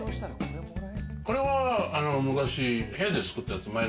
これは昔、部屋で作ったやつ。